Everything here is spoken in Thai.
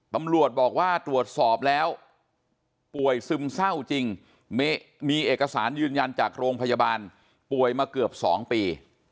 ตำรวจบอกว่าตรวจสอบแล้วป่วยซึมเศร้าจริงมีเอกสารยืนยันจากโรงพยาบาลป่วยมาเกือบ๒ปี